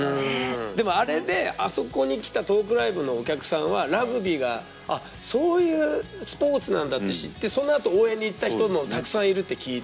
でもあれであそこに来たトークライブのお客さんはラグビーがあっそういうスポーツなんだって知ってそのあと応援に行った人もたくさんいるって聞いて。